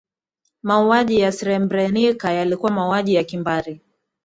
mauaji ya srebrenica yalikuwa mauaji ya kimbari